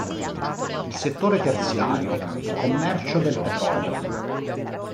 Il settore terziario: commercio del petrolio.